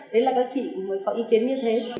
đấy là các chị mới có ý kiến như thế